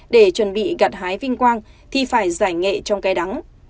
để chuẩn bị gặt hái vinh quang thì phải giải nghệ trong cái đắng